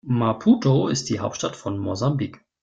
Maputo ist die Hauptstadt von Mosambik.